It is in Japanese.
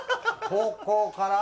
高校から。